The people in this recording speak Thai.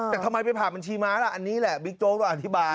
แต่ทำไมไปผ่านบัญชีม้าล่ะอันนี้แหละบิ๊กโจ๊กต้องอธิบาย